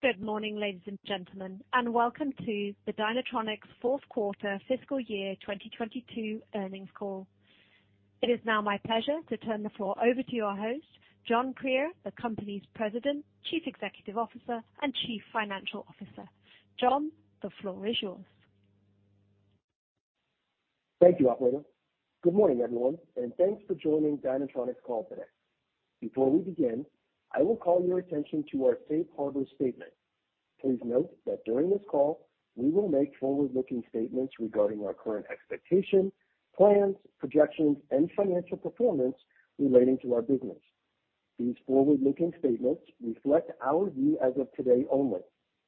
Good morning, ladies and gentlemen, and welcome to Dynatronics fourth quarter fiscal year 2022 earnings call. It is now my pleasure to turn the floor over to your host, John Krier, the company's President, Chief Executive Officer, and Chief Financial Officer. John, the floor is yours Thank you, operator. Good morning, everyone, and thanks for joining Dynatronics call today. Before we begin, I will call your attention to our safe harbor statement. Please note that during this call, we will make forward-looking statements regarding our current expectations, plans, projections, and financial performance relating to our business. These forward-looking statements reflect our view as of today only,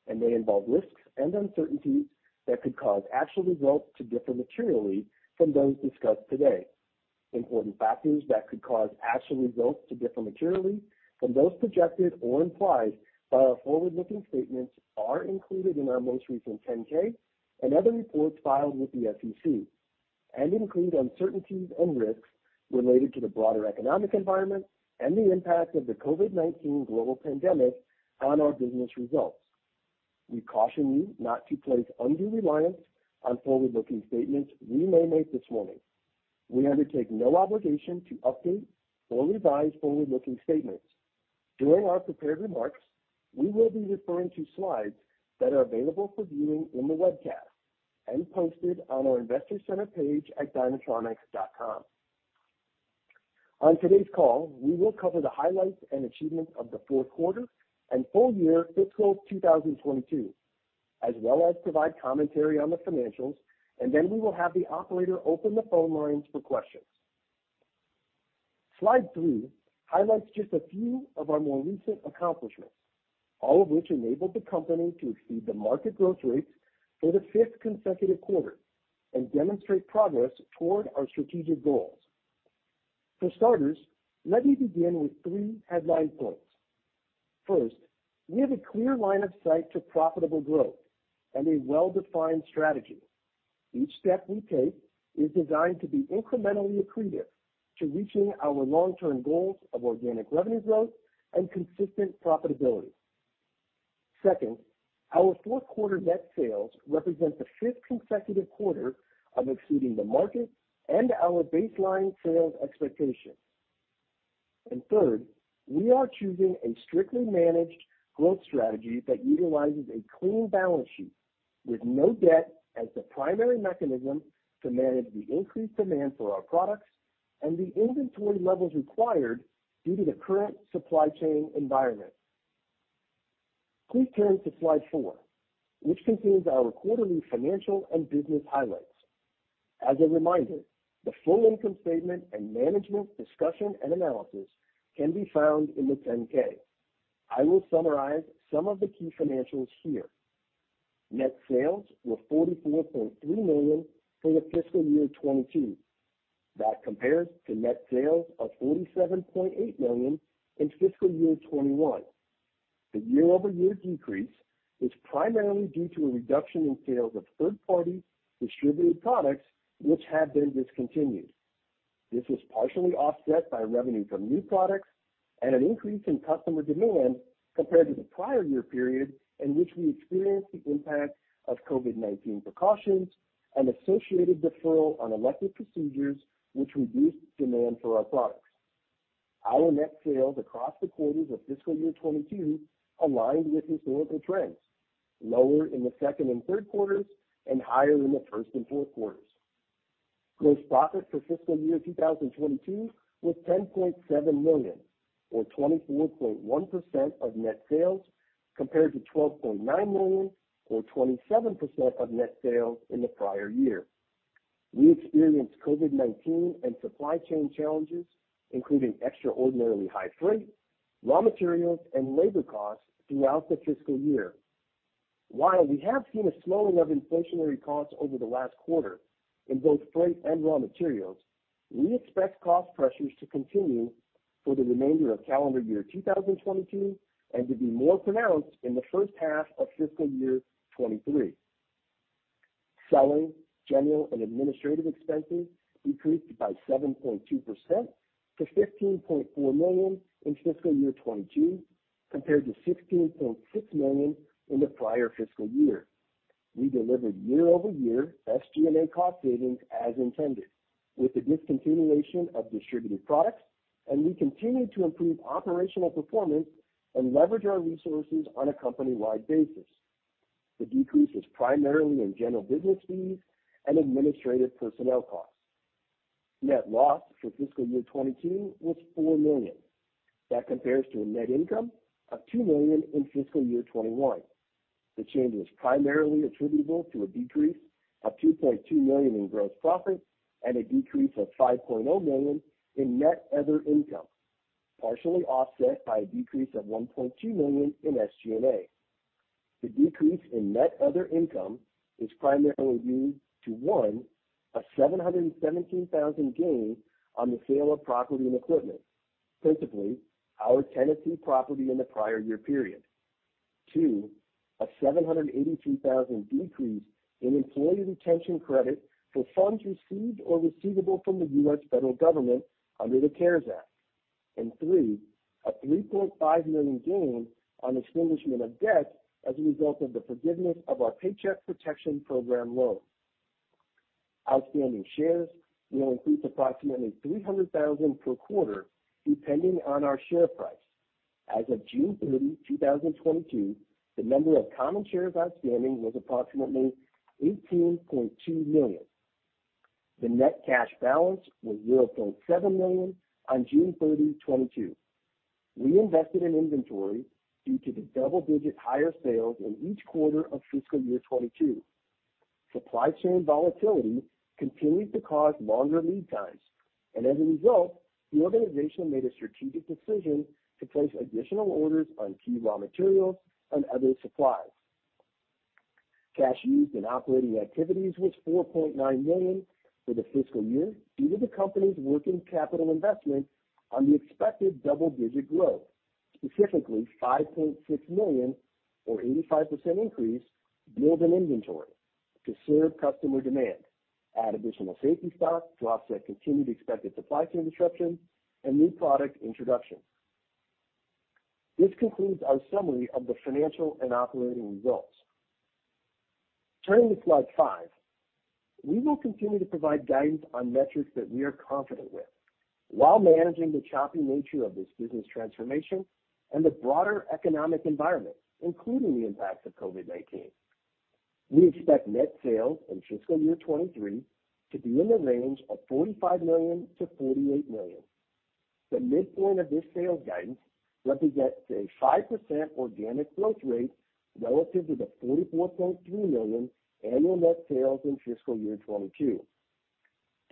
and may involve risks and uncertainties that could cause actual results to differ materially from those discussed today. Important factors that could cause actual results to differ materially from those projected or implied by our forward-looking statements are included in our most recent 10-K and other reports filed with the SEC, and include uncertainties and risks related to the broader economic environment and the impact of the COVID-19 global pandemic on our business results. We caution you not to place undue reliance on forward-looking statements we may make this morning. We undertake no obligation to update or revise forward-looking statements. During our prepared remarks, we will be referring to slides that are available for viewing in the webcast and posted on our investor center page at dynatronics.com. On today's call, we will cover the highlights and achievements of the fourth quarter and full-year fiscal 2022, as well as provide commentary on the financials, and then we will have the operator open the phone lines for questions. Slide three highlights just a few of our more recent accomplishments, all of which enabled the company to exceed the market growth rates for the fifth consecutive quarter and demonstrate progress toward our strategic goals. For starters, let me begin with three headline points. First, we have a clear line of sight to profitable growth and a well-defined strategy. Each step we take is designed to be incrementally accretive to reaching our long-term goals of organic revenue growth and consistent profitability. Second, our fourth quarter net sales represent the fifth consecutive quarter of exceeding the market and our baseline sales expectations. Third, we are choosing a strictly managed growth strategy that utilizes a clean balance sheet with no debt as the primary mechanism to manage the increased demand for our products and the inventory levels required due to the current supply chain environment. Please turn to slide four, which contains our quarterly financial and business highlights. As a reminder, the full income statement and management discussion and analysis can be found in the 10-K. I will summarize some of the key financials here. Net sales were $44.3 million for the fiscal year 2022. That compares to net sales of $47.8 million in fiscal year 2021. The year-over-year decrease is primarily due to a reduction in sales of third-party distributed products, which have been discontinued. This was partially offset by revenue from new products and an increase in customer demand compared to the prior year period, in which we experienced the impact of COVID-19 precautions and associated deferral on elective procedures, which reduced demand for our products. Our net sales across the quarters of fiscal year 2022 aligned with historical trends, lower in the second and third quarters and higher in the first and fourth quarters. Gross profit for fiscal year 2022 was $10.7 million, or 24.1% of net sales, compared to $12.9 million, or 27% of net sales, in the prior year. We experienced COVID-19 and supply chain challenges, including extraordinarily high freight, raw materials, and labor costs throughout the fiscal year. While we have seen a slowing of inflationary costs over the last quarter in both freight and raw materials, we expect cost pressures to continue for the remainder of calendar year 2022 and to be more pronounced in the first half of fiscal year 2023. Selling, general, and administrative expenses decreased by 7.2% to $15.4 million in fiscal year 2022, compared to $16.6 million in the prior fiscal year. We delivered year-over-year SG&A cost savings as intended with the discontinuation of distributed products, and we continued to improve operational performance and leverage our resources on a company-wide basis. The decrease is primarily in general business fees and administrative personnel costs. Net loss for fiscal year 2022 was $4 million. That compares to a net income of $2 million in fiscal year 2021. The change was primarily attributable to a decrease of $2.2 million in gross profit and a decrease of $5.0 million in net other income, partially offset by a decrease of $1.2 million in SG&A. The decrease in net other income is primarily due to one, a $717,000 gain on the sale of property and equipment, principally our Tennessee property in the prior year period, two, a $782,000 decrease in employee retention credit for funds received or receivable from the U.S. federal government under the CARES Act, and three, a $3.5 million gain on extinguishment of debt as a result of the forgiveness of our Paycheck Protection Program loan. Outstanding shares will increase approximately 300,000 per quarter, depending on our share price. As of June 30, 2022, the number of common shares outstanding was approximately 18.2 million. The net cash balance was $0.7 million on June 30, 2022. We invested in inventory due to the double-digit higher sales in each quarter of fiscal year 2022. Supply chain volatility continued to cause longer lead times, and as a result, the organization made a strategic decision to place additional orders on key raw materials and other supplies. Cash used in operating activities was $4.9 million for the fiscal year due to the company's working capital investment on the expected double-digit growth, specifically $5.6 million or 85% increase build in inventory to serve customer demand, add additional safety stock to offset continued expected supply chain disruptions, and new product introductions. This concludes our summary of the financial and operating results. Turning to slide five. We will continue to provide guidance on metrics that we are confident with while managing the choppy nature of this business transformation and the broader economic environment, including the impacts of COVID-19. We expect net sales in fiscal year 2023 to be in the range of $45 million-$48 million. The midpoint of this sales guidance represents a 5% organic growth rate relative to the $44.3 million annual net sales in fiscal year 2022.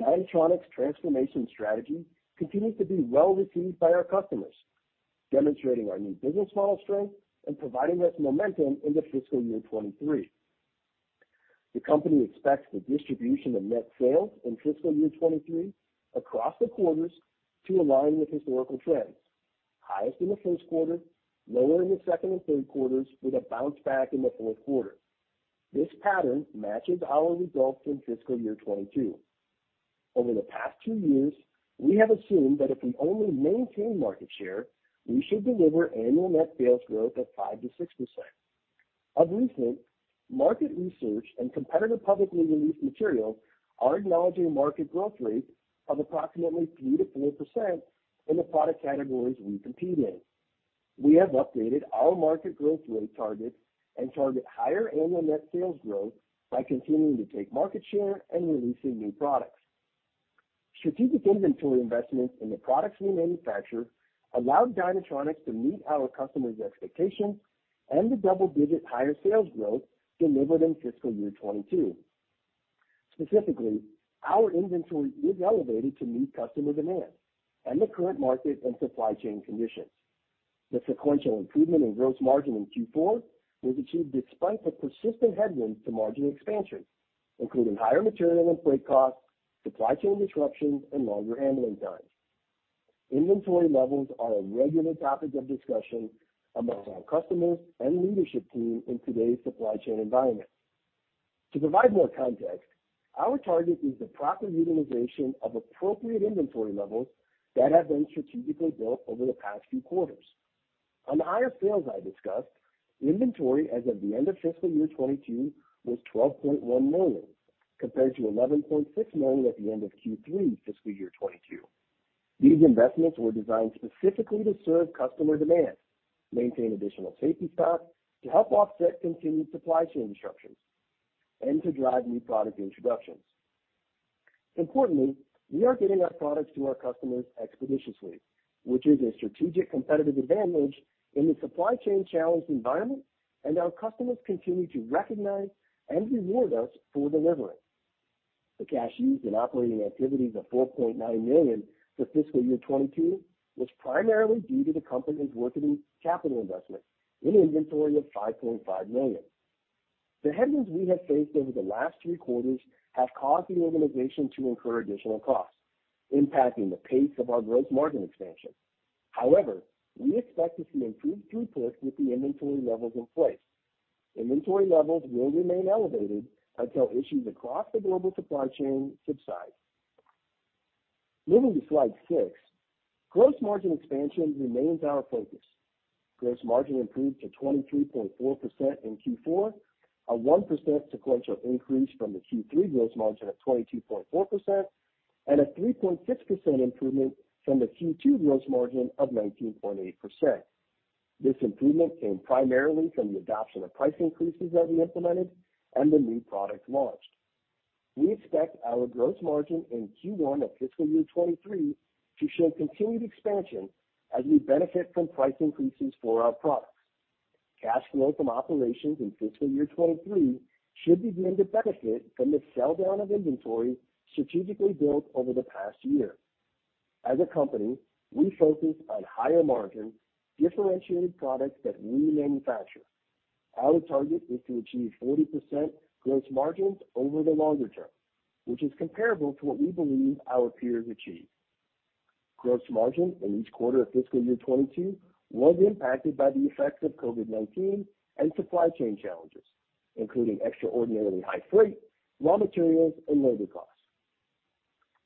Dynatronics transformation strategy continues to be well-received by our customers, demonstrating our new business model strength and providing us momentum into fiscal year 2023. The company expects the distribution of net sales in fiscal year 2023 across the quarters to align with historical trends. Highest in the first quarter, lower in the second and third quarters, with a bounce back in the fourth quarter. This pattern matches our results in fiscal year 2022. Over the past two years, we have assumed that if we only maintain market share, we should deliver annual net sales growth of 5%-6%. Of recent, market research and competitive publicly released materials are acknowledging market growth rates of approximately 3%-4% in the product categories we compete in. We have updated our market growth rate targets and target higher annual net sales growth by continuing to take market share and releasing new products. Strategic inventory investments in the products we manufacture allow Dynatronics to meet our customers' expectations and the double-digit higher sales growth delivered in fiscal year 2022. Specifically, our inventory is elevated to meet customer demand and the current market and supply chain conditions. The sequential improvement in gross margin in Q4 was achieved despite the persistent headwinds to margin expansion, including higher material and freight costs, supply chain disruptions, and longer handling times. Inventory levels are a regular topic of discussion among our customers and leadership team in today's supply chain environment. To provide more context, our target is the proper utilization of appropriate inventory levels that have been strategically built over the past few quarters. On the higher sales I discussed, inventory as of the end of fiscal year 2022 was $12.1 million, compared to $11.6 million at the end of Q3 fiscal year 2022. These investments were designed specifically to serve customer demand, maintain additional safety stock to help offset continued supply chain disruptions, and to drive new product introductions. Importantly, we are getting our products to our customers expeditiously, which is a strategic competitive advantage in the supply chain challenged environment, and our customers continue to recognize and reward us for delivering. The cash used in operating activities of $4.9 million for fiscal year 2022 was primarily due to the company's working capital investment in inventory of $5.5 million. The headwinds we have faced over the last three quarters have caused the organization to incur additional costs, impacting the pace of our gross margin expansion. However, we expect to see improved throughput with the inventory levels in place. Inventory levels will remain elevated until issues across the global supply chain subside. Moving to slide 6. Gross margin expansion remains our focus. Gross margin improved to 23.4% in Q4, a 1% sequential increase from the Q3 gross margin of 22.4%, and a 3.6% improvement from the Q2 gross margin of 19.8%. This improvement came primarily from the adoption of price increases that we implemented and the new product launched. We expect our gross margin in Q1 of fiscal year 2023 to show continued expansion as we benefit from price increases for our products. Cash flow from operations in fiscal year 2023 should begin to benefit from the sell-down of inventory strategically built over the past year. As a company, we focus on higher-margin, differentiated products that we manufacture. Our target is to achieve 40% gross margins over the longer term, which is comparable to what we believe our peers achieve. Gross margin in each quarter of fiscal year 2022 was impacted by the effects of COVID-19 and supply chain challenges, including extraordinarily high freight, raw materials, and labor costs.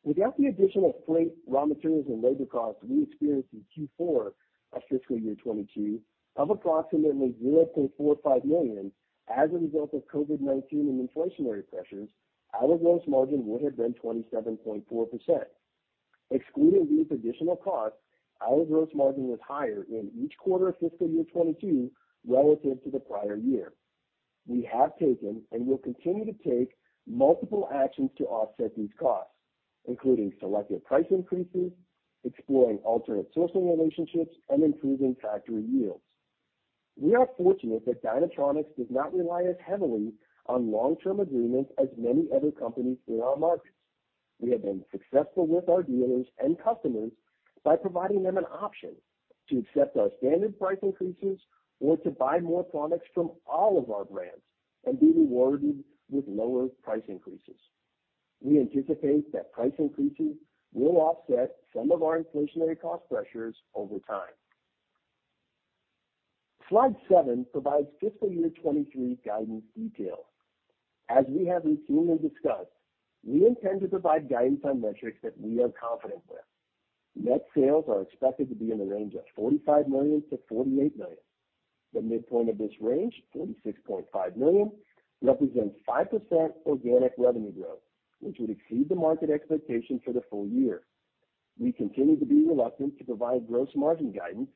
Without the additional freight, raw materials, and labor costs we experienced in Q4 of fiscal year 2022 of approximately $0.45 million as a result of COVID-19 and inflationary pressures, our gross margin would have been 27.4%. Excluding these additional costs, our gross margin was higher in each quarter of fiscal year 2022 relative to the prior year. We have taken and will continue to take multiple actions to offset these costs, including selective price increases, exploring alternate sourcing relationships, and improving factory yields. We are fortunate that Dynatronics does not rely as heavily on long-term agreements as many other companies in our markets. We have been successful with our dealers and customers by providing them with an option to accept our standard price increases or to buy more products from all of our brands and be rewarded with lower price increases. We anticipate that price increases will offset some of our inflationary cost pressures over time. Slide seven provides fiscal year 2023 guidance details. As we have routinely discussed, we intend to provide guidance on metrics that we are confident with. Net sales are expected to be in the range of $45 million-$48 million. The midpoint of this range, $46.5 million, represents 5% organic revenue growth, which would exceed the market expectation for the full year. We continue to be reluctant to provide gross margin guidance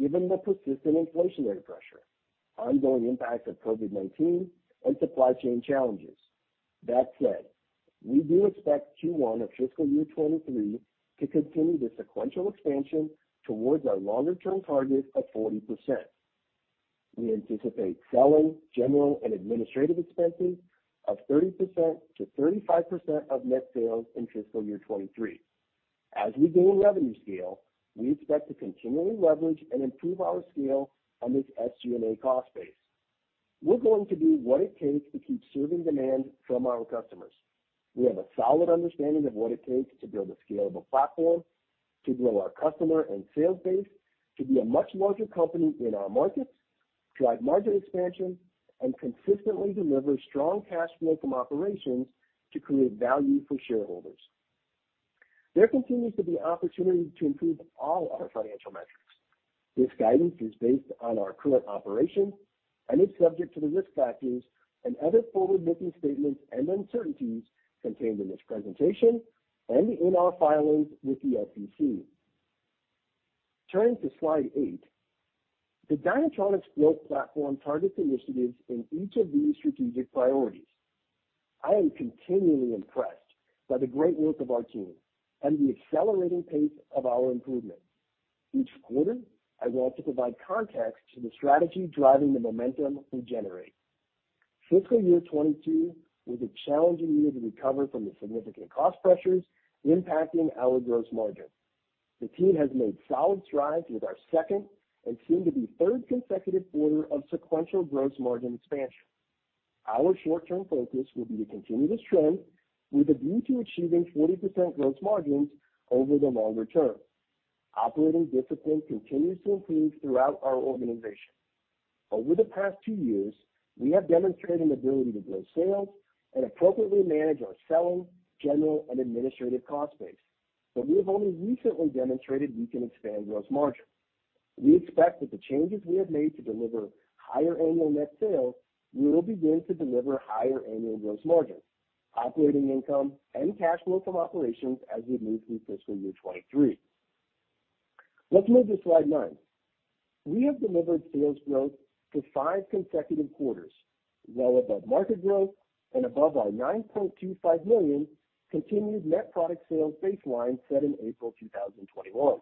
given the persistent inflationary pressure, ongoing impact of COVID-19, and supply chain challenges. That said, we do expect Q1 of fiscal year 2023 to continue the sequential expansion towards our longer-term target of 40%. We anticipate selling, general, and administrative expenses of 30%-35% of net sales in fiscal year 2023. As we gain revenue scale, we expect to continually leverage and improve our scale on this SG&A cost base. We're going to do what it takes to keep serving demand from our customers. We have a solid understanding of what it takes to build a scalable platform, to grow our customer and sales base, to be a much larger company in our markets, drive margin expansion, and consistently deliver strong cash flow from operations to create value for shareholders. There continues to be opportunity to improve all our financial metrics. This guidance is based on our current operations, and it's subject to the risk factors and other forward-looking statements and uncertainties contained in this presentation and in our filings with the SEC. Turning to slide eight, the Dynatronics growth platform targets initiatives in each of these strategic priorities. I am continually impressed by the great work of our team and the accelerating pace of our improvement. Each quarter, I want to provide context to the strategy driving the momentum we generate. Fiscal year 2022 was a challenging year to recover from the significant cost pressures impacting our gross margin. The team has made solid strides with our second and soon-to-be third consecutive quarter of sequential gross margin expansion. Our short-term focus will be to continue this trend with a view to achieving 40% gross margins over the longer term. Operating discipline continues to improve throughout our organization. Over the past two years, we have demonstrated an ability to grow sales and appropriately manage our selling, general, and administrative costs base. We have only recently demonstrated we can expand gross margin. We expect that the changes we have made to deliver higher annual net sales will begin to deliver higher annual gross margins, operating income, and cash flow from operations as we move through fiscal year 2023. Let's move to slide 9. We have delivered sales growth for five consecutive quarters, well above market growth and above our $9.25 million continued net product sales baseline set in April 2021.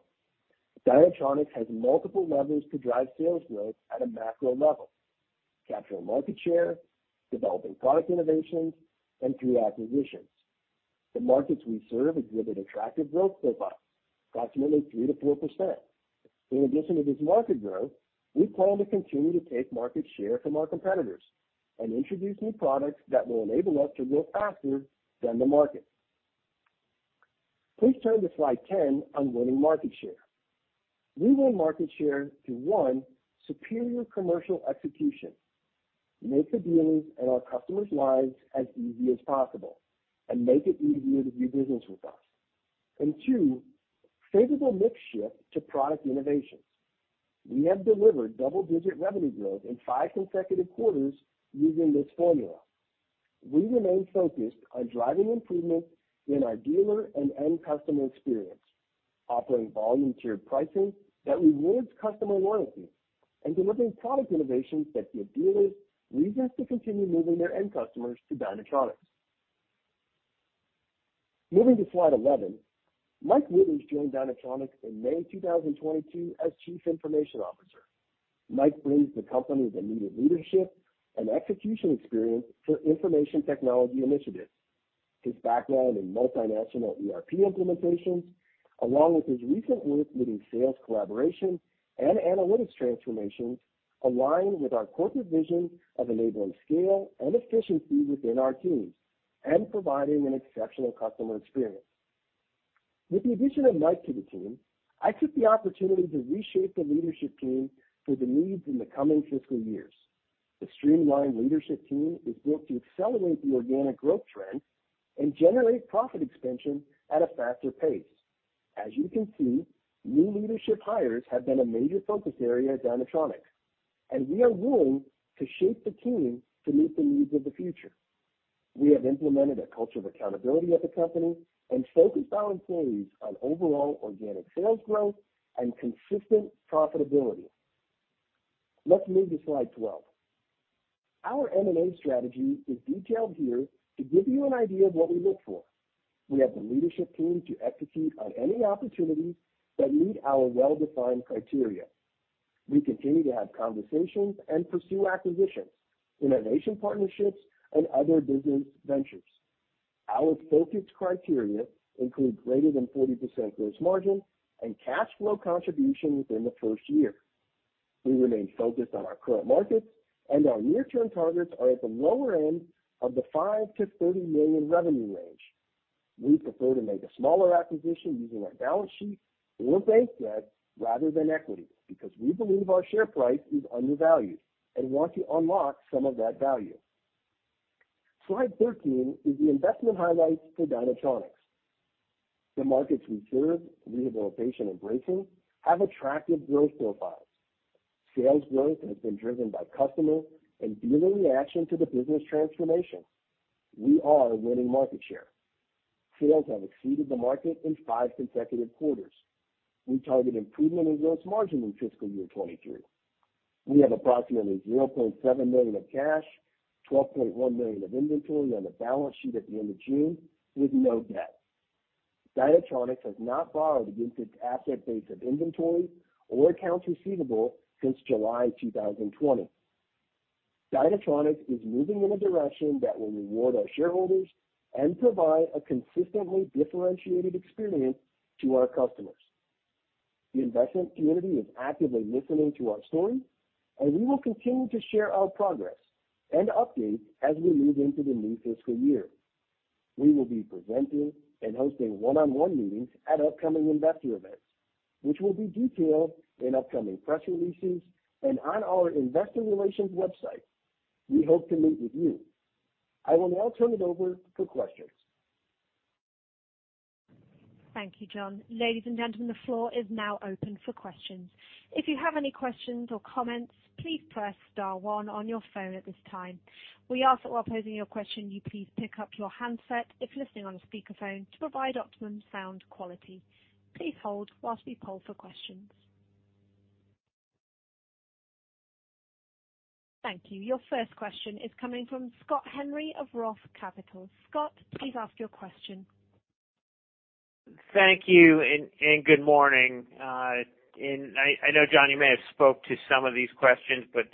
Dynatronics has multiple levers to drive sales growth at a macro level, capturing market share, developing product innovations, and through acquisitions. The markets we serve exhibit attractive growth profiles, approximately 3%-4%. In addition to this market growth, we plan to continue to take market share from our competitors and introduce new products that will enable us to grow faster than the market. Please turn to slide 10 on winning market share. We win market share through one superior commercial execution. Make the dealers' and our customers' lives as easy as possible and make it easier to do business with us. Two, a favorable mix shift to product innovations. We have delivered double-digit revenue growth in five consecutive quarters using this formula. We remain focused on driving improvements in our dealer and end customer experience, offering volume-tiered pricing that rewards customer loyalty and delivering product innovations that give dealers reasons to continue moving their end customers to Dynatronics. Moving to slide 11. Mike Withers joined Dynatronics in May 2022 as Chief Information Officer. Mike brings the company the needed leadership and execution experience for information technology initiatives. His background in multinational ERP implementations, along with his recent work leading sales collaboration and analytics transformations, aligns with our corporate vision of enabling scale and efficiency within our teams. Providing an exceptional customer experience. With the addition of Mike to the team, I took the opportunity to reshape the leadership team for the needs in the coming fiscal years. The streamlined leadership team is built to accelerate the organic growth trend and generate profit expansion at a faster pace. As you can see, new leadership hires have been a major focus area at Dynatronics, and we are willing to shape the team to meet the needs of the future. We have implemented a culture of accountability at the company and focused our employees on overall organic sales growth and consistent profitability. Let's move to slide 12. Our M&A strategy is detailed here to give you an idea of what we look for. We have the leadership team to execute on any opportunities that meet our well-defined criteria. We continue to have conversations and pursue acquisitions, innovation partnerships, and other business ventures. Our focused criteria include greater than 40% gross margin and cash flow contribution within the first year. We remain focused on our current markets, and our near-term targets are at the lower end of the $5-$30 million revenue range. We prefer to make a smaller acquisition using our balance sheet or bank debt rather than equity, because we believe our share price is undervalued and want to unlock some of that value. Slide 13 is the investment highlights for Dynatronics. The markets we serve, rehabilitation and bracing, have attractive growth profiles. Sales growth has been driven by customer and dealer reaction to the business transformation. We are winning market share. Sales have exceeded the market in five consecutive quarters. We target improvement in gross margin in fiscal year 2023. We have approximately $0.7 million of cash, $12.1 million of inventory on the balance sheet at the end of June, with no debt. Dynatronics has not borrowed against its asset base of inventory or accounts receivable since July 2020. Dynatronics is moving in a direction that will reward our shareholders and provide a consistently differentiated experience to our customers. The investment community is actively listening to our story, and we will continue to share our progress and updates as we move into the new fiscal year. We will be presenting and hosting one-on-one meetings at upcoming investor events, which will be detailed in upcoming press releases and on our investor relations website. We hope to meet with you. I will now turn it over for questions. Thank you, John. Ladies and gentlemen, the floor is now open for questions. If you have any questions or comments, please press star one on your phone at this time. We ask that while posing your question, you please pick up your handset if you're listening on a speakerphone to provide optimum sound quality. Please hold while we poll for questions. Thank you. Your first question is coming from Scott Henry of Roth Capital. Scott, please ask your question. Thank you and good morning. I know, John, you may have spoken to some of these questions, but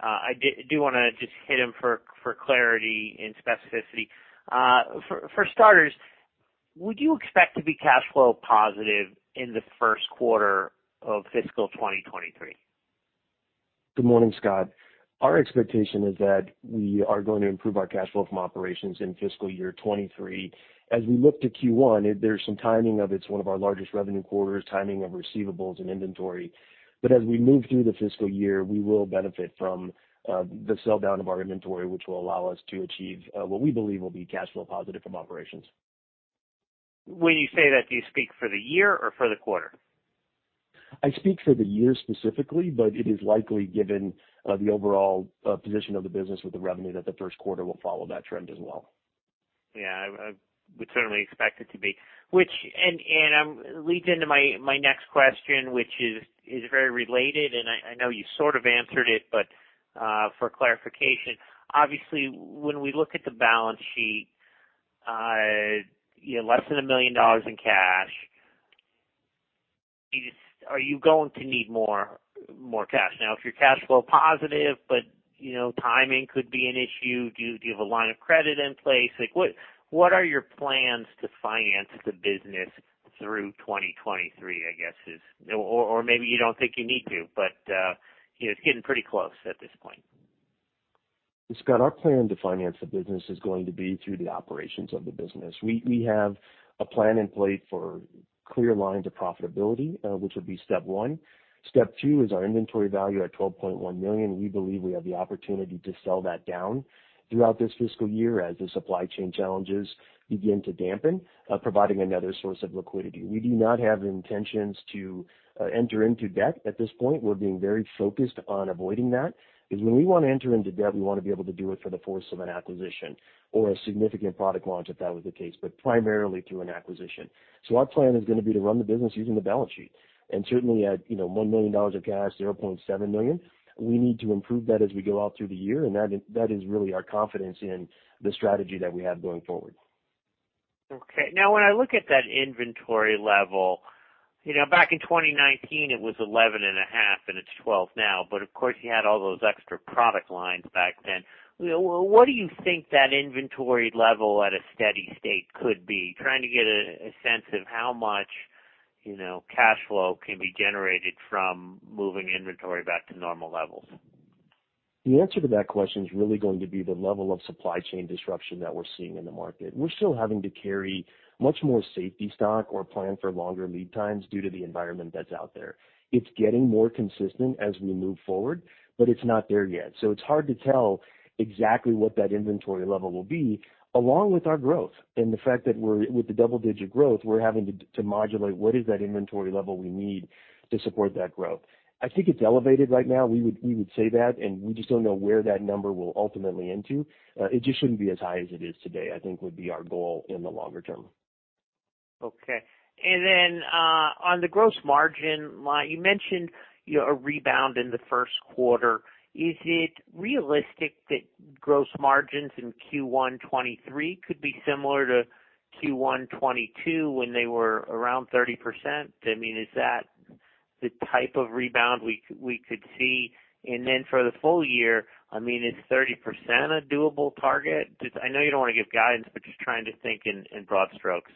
I do wanna just hit them for clarity and specificity. For starters, would you expect to be cash flow positive in the first quarter of fiscal 2023? Good morning, Scott. Our expectation is that we are going to improve our cash flow from operations in fiscal year 2023. As we look to Q1, there's some timing of one of our largest revenue quarters, the timing of receivables, and inventory. As we move through the fiscal year, we will benefit from the sell-down of our inventory, which will allow us to achieve what we believe will be cash flow positive from operations. When you say that, do you speak for the year or for the quarter? I speak for the year specifically, but it is likely, given the overall position of the business with the revenue, that the first quarter will follow that trend as well. Yeah, I would certainly expect it to be. It leads into my next question, which is very related, and I know you sort of answered it, but for clarification. Obviously, when we look at the balance sheet, you have less than $1 million in cash. Are you going to need more cash? Now, if you're cash flow positive, but you know, timing could be an issue, do you have a line of credit in place? Like, what are your plans to finance the business through 2023, I guess? Or maybe you don't think you need to, but you know, it's getting pretty close at this point. Scott, our plan to finance the business is going to be through the operations of the business. We have a plan in place for a clear line to profitability, which would be step one. Step two is our inventory value at $12.1 million. We believe we have the opportunity to sell that down throughout this fiscal year as the supply chain challenges begin to dampen, providing another source of liquidity. We do not have intentions to enter into debt at this point. We're being very focused on avoiding that. Because when we wanna enter into debt, we wanna be able to do it for the purpose of an acquisition or a significant product launch, if that was the case, but primarily through an acquisition. Our plan is gonna be to run the business using the balance sheet. Certainly at, you know, $1 million of cash, $0.7 million, we need to improve that as we go out through the year, and that is really our confidence in the strategy that we have going forward. Okay. Now, when I look at that inventory level, you know, back in 2019 it was 11.5, and it's 12 now, but of course, you had all those extra product lines back then. You know, what do you think that inventory level at a steady state could be? Trying to get a sense of how much, you know, cash flow can be generated from moving inventory back to normal levels. The answer to that question is really going to be the level of supply chain disruption that we're seeing in the market. We're still having to carry much more safety stock or plan for longer lead times due to the environment that's out there. It's getting more consistent as we move forward, but it's not there yet. It's hard to tell exactly what that inventory level will be, along with our growth and the fact that we're having double-digit growth, we're having to modulate what is that inventory level we need to support that growth. I think it's elevated right now. We would say that, and we just don't know where that number will ultimately end up. It just shouldn't be as high as it is today, I think, would be our goal in the longer term. Okay. On the gross margin line, you mentioned, you know, a rebound in the first quarter. Is it realistic that gross margins in Q1 2023 could be similar to Q1 2022, when they were around 30%? I mean, is that the type of rebound we could see? For the full-year, I mean, is 30% a doable target? Just, I know you don't wanna give guidance, but just trying to think in broad strokes.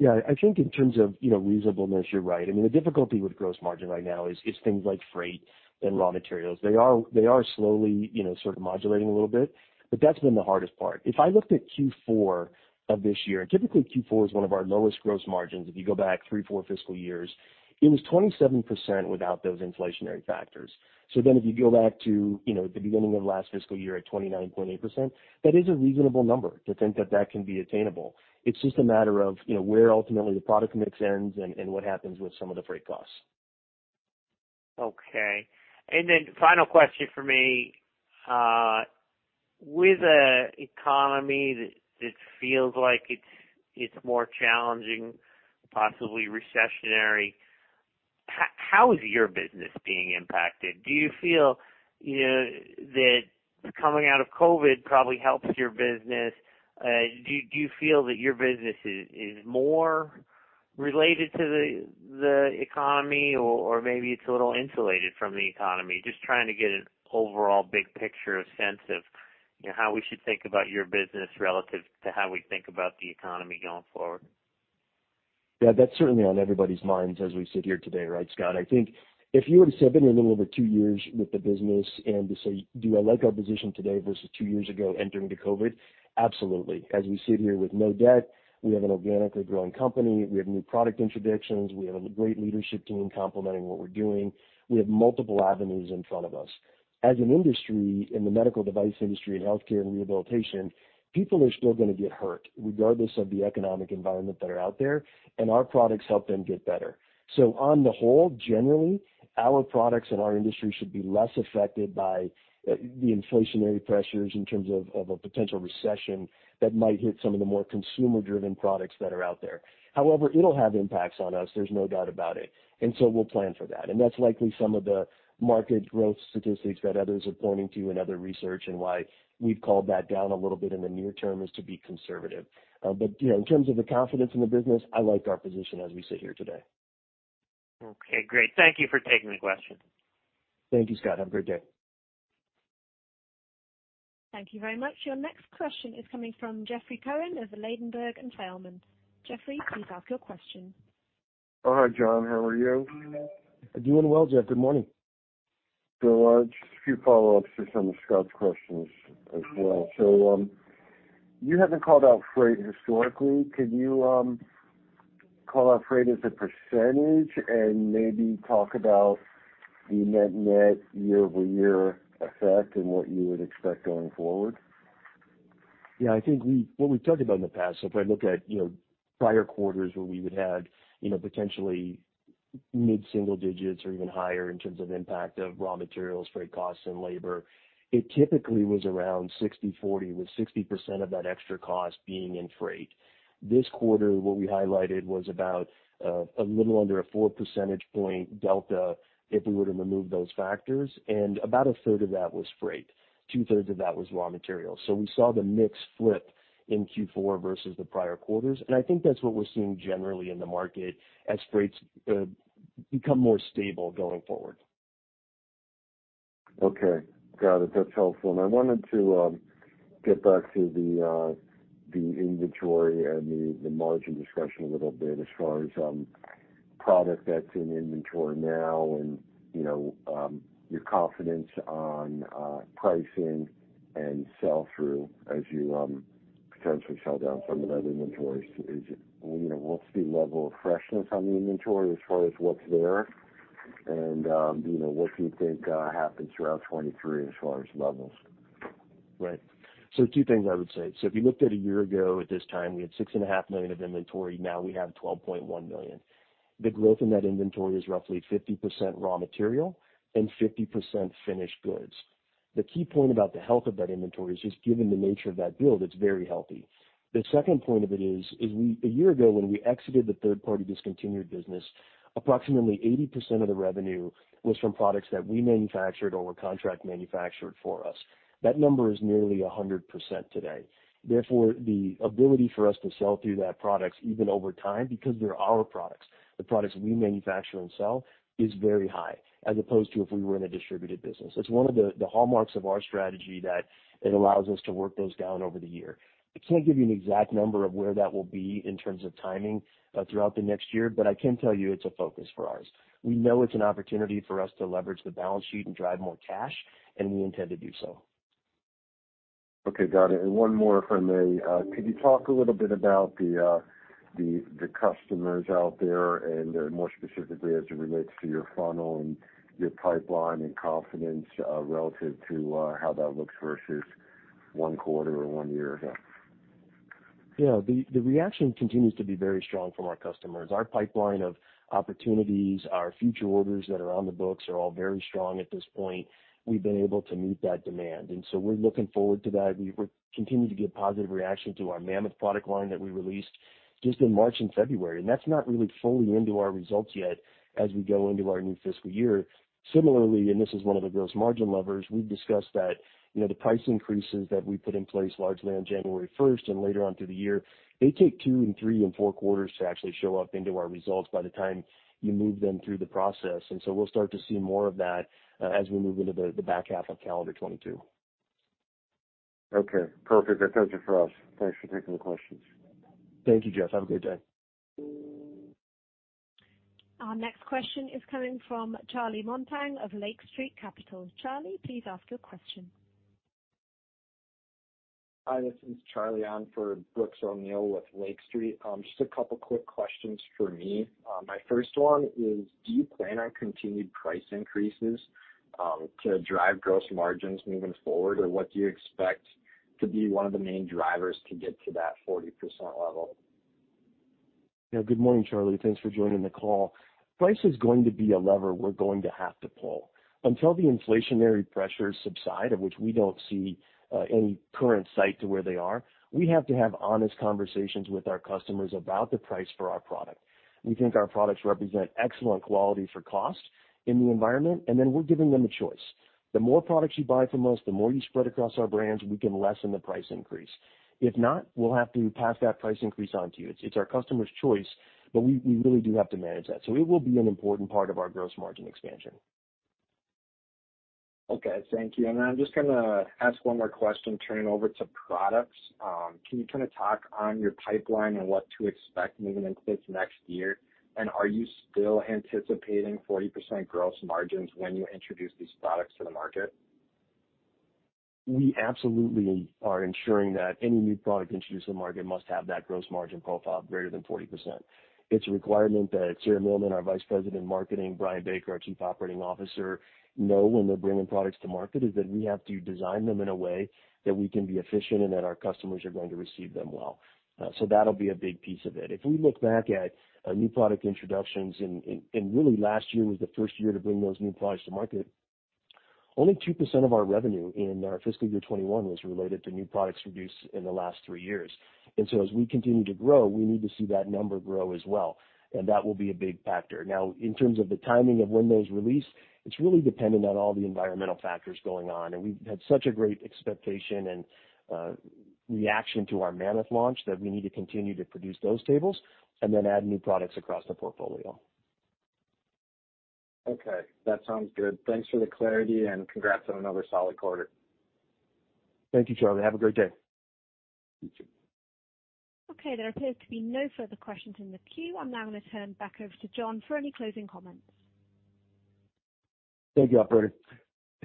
Yeah. I think in terms of, you know, reasonableness, you're right. I mean, the difficulty with gross margin right now is things like freight and raw materials. They are slowly, you know, sort of modulating a little bit, but that's been the hardest part. If I looked at Q4 of this year, and typically Q4 is one of our lowest gross margins if you go back three, four fiscal years, it was 27% without those inflationary factors. If you go back to, you know, the beginning of last fiscal year at 29.8%, that is a reasonable number to think that that can be attainable. It's just a matter of, you know, where ultimately the product mix ends and what happens with some of the freight costs. Okay. Final question for me. With an economy that feels like it's more challenging, possibly recessionary, how is your business being impacted? Do you feel, you know, that coming out of COVID probably helps your business? Do you feel that your business is more related to the economy, or maybe it's a little insulated from the economy? Just trying to get an overall big picture sense of, you know, how we should think about your business relative to how we think about the economy going forward. Yeah, that's certainly on everybody's minds as we sit here today, right, Scott? I think if you were to say I've been here a little over two years with the business, and to say, do I like our position today versus two years ago, entering the COVID? Absolutely. As we sit here with no debt, we have an organically growing company, we have new product introductions, and we have a great leadership team complementing what we're doing. We have multiple avenues in front of us. As an industry, in the medical device industry and healthcare and rehabilitation, people are still gonna get hurt regardless of the economic environment that is out there, and our products help them get better. On the whole, generally, our products and our industry should be less affected by the inflationary pressures in terms of a potential recession that might hit some of the more consumer-driven products that are out there. However, it'll have impacts on us, there's no doubt about it, and so we'll plan for that. That's likely some of the market growth statistics that others are pointing to in other research, and why we've called that down a little bit in the near term is to be conservative. You know, in terms of the confidence in the business, I like our position as we sit here today. Okay, great. Thank you for taking the question. Thank you, Scott. Have a great day. Thank you very much. Your next question is coming from Jeffrey Cohen over at Ladenburg Thalmann. Jeffrey, please ask your question. Oh, hi, John. How are you? Doing well, Jeffrey. Good morning. Just a few follow-ups to some of Scott's questions as well. You haven't called out freight historically. Can you call out freight as a percentage and maybe talk about the net net year-over-year effect and what you would expect going forward? Yeah, I think what we've talked about in the past, so if I look at, you know, prior quarters where we would have had, you know, potentially mid-single digits or even higher in terms of impact of raw materials, freight costs, and labor, it typically was around 60/40, with 60% of that extra cost being in freight. This quarter, what we highlighted was about a little under a 4 percentage point delta if we were to remove those factors, and about a third of that was freight. Two-thirds of that was raw materials. We saw the mix flip in Q4 versus the prior quarters, and I think that's what we're seeing generally in the market as freights become more stable going forward. Okay. Got it. That's helpful. I wanted to get back to the inventory and the margin discussion a little bit as far as product that's in inventory now and, you know, your confidence on pricing and sell-through as you potentially sell down some of that inventory. You know, what's the level of freshness on the inventory as far as what's there? You know, what do you think happens throughout 2023 as far as levels? Right. Two things I would say. If you looked at a year ago at this time, we had $6.5 million of inventory; now we have $12.1 million. The growth in that inventory is roughly 50% raw material and 50% finished goods. The key point about the health of that inventory is just given the nature of that build, it's very healthy. The second point of it is we a year ago, when we exited the third-party discontinued business, approximately 80% of the revenue was from products that we manufactured or were contract-manufactured for us. That number is nearly 100% today. Therefore, the ability for us to sell through that products even over time, because they're our products, the products we manufacture and sell, is very high as opposed to if we were in a distributed business. It's one of the hallmarks of our strategy that it allows us to work those down over the year. I can't give you an exact number of where that will be in terms of timing throughout the next year, but I can tell you it's a focus for ours. We know it's an opportunity for us to leverage the balance sheet and drive more cash, and we intend to do so. Okay, got it. One more, if I may. Could you talk a little bit about the customers out there, and more specifically, as it relates to your funnel and your pipeline and confidence relative to how that looks versus one quarter or one year ago? Yeah. The reaction continues to be very strong from our customers. Our pipeline of opportunities, our future orders that are on the books, are all very strong at this point. We've been able to meet that demand, and so we're looking forward to that. We've continued to get positive reactions to our Mammoth product line that we released just in March and February, and that's not really fully into our results yet as we go into our new fiscal year. Similarly, and this is one of the gross margin levers, we've discussed that, you know, the price increases that we put in place largely on January first and later on through the year, they take two, three, and four quarters to actually show up in our results by the time you move them through the process. We'll start to see more of that as we move into the back half of calendar 2022. Okay. Perfect. That does it for us. Thanks for taking the questions. Thank you, Jeffrey. Have a good day. Our next question is coming from Charlie Montang of Lake Street Capital. Charlie, please ask your question. Hi, this is Charlie on for Brooks O'Neil with Lake Street. Just a couple of quick questions for me. My first one is, do you plan on continuing price increases to drive gross margins moving forward? Or what do you expect to be one of the main drivers to get to that 40% level? Yeah, good morning, Charlie. Thanks for joining the call. Price is going to be a lever we're going to have to pull. Until the inflationary pressures subside, of which we don't see any current sign of where they are, we have to have honest conversations with our customers about the price of our product. We think our products represent excellent quality for cost in the environment, and then we're giving them a choice. The more products you buy from us, the more you spread across our brands, and we can lessen the price increase. If not, we'll have to pass that price increase on to you. It's our customer's choice, but we really do have to manage that. It will be an important part of our gross margin expansion. Okay. Thank you. I'm just gonna ask one more question, turning over to products. Can you kinda talk on your pipeline and what to expect moving into this next year? Are you still anticipating 40% gross margins when you introduce these products to the market? We absolutely are ensuring that any new product introduced to the market must have that gross margin profile greater than 40%. It's a requirement that Sarah Rome-Mealman, our Vice President of Marketing, Brian Baker, our Chief Operating Officer, know when they're bringing products to market, that we have to design them in a way that we can be efficient and that our customers are going to receive them well. That'll be a big piece of it. If we look back at new product introductions, and really, last year was the first year to bring those new products to market, only 2% of our revenue in our fiscal year 2021 was related to new products produced in the last three years. As we continue to grow, we need to see that number grow as well, and that will be a big factor. Now, in terms of the timing of when those are release, it's really dependent on all the environmental factors going on. We've had such a great expectation and reaction to our Mammoth launch that we need to continue to produce those tables and then add new products across the portfolio. Okay, that sounds good. Thanks for the clarity and congrats on another solid quarter. Thank you, Charlie. Have a great day. You too. Okay, there appear to be no further questions in the queue. I'm now gonna turn back over to John for any closing comments. Thank you, operator.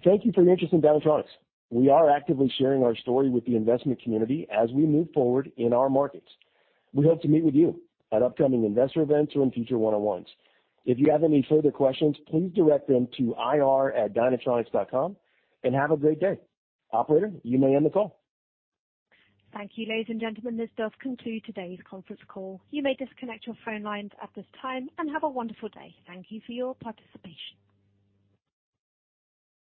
Thank you for your interest in Dynatronics. We are actively sharing our story with the investment community as we move forward in our markets. We hope to meet with you at upcoming investor events or in future one-on-ones. If you have any further questions, please direct them to ir@dynatronics.com, and have a great day. Operator, you may end the call. Thank you, ladies and gentlemen. This does conclude today's conference call. You may disconnect your phone lines at this time and have a wonderful day. Thank you for your participation.